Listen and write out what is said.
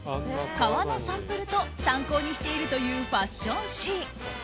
革のサンプルと参考にしているというファッション誌。